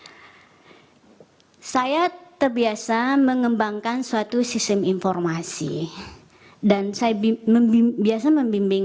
hai saya terbiasa mengembangkan suatu sistem informasi dan saya bimbing biasa membimbing